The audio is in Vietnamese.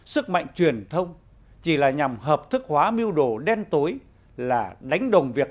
sức mạnh truyền thông chỉ là nhằm hợp thức hóa mưu đồ đen tối là đánh đồng việc